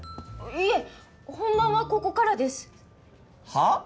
いえ本番はここからですはあ？